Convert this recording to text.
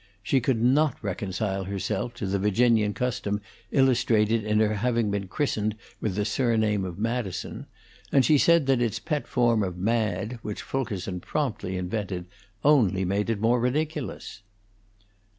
She could not reconcile herself to the Virginian custom illustrated in her having been christened with the surname of Madison; and she said that its pet form of Mad, which Fulkerson promptly invented, only made it more ridiculous.